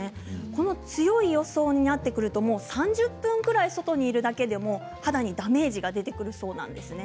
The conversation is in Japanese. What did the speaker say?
この強い予想になってくるともう３０分くらい外にいるだけで肌にダメージが出てくるそうなんです。